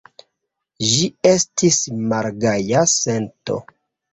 Ĝi estis malgaja sento.